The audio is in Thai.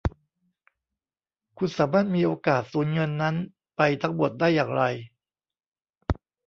คุณสามารถมีโอกาสสูญเงินนั้นไปทั้งหมดได้อย่างไร